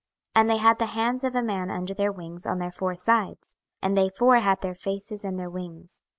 26:001:008 And they had the hands of a man under their wings on their four sides; and they four had their faces and their wings.